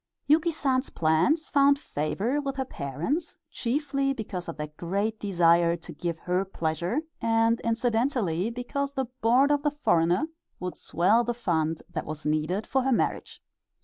Yuki San's plans found favor with her parents, chiefly because of their great desire to give her pleasure, and incidentally because the board of the foreigner would swell the fund that was needed for her marriage.